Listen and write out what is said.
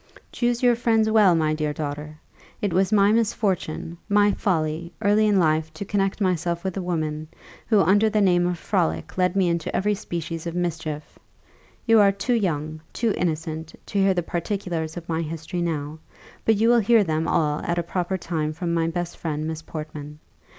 "Choose your friends well, my dear daughter! It was my misfortune, my folly, early in life to connect myself with a woman, who under the name of frolic led me into every species of mischief. You are too young, too innocent, to hear the particulars of my history now; but you will hear them all at a proper time from my best friend, Miss Portman.